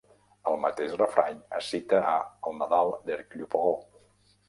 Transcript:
El mateix refrany es cita al "El Nadal d'Hercule Poirot".